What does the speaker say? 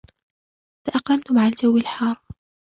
تأقلمت مع الجو الحار.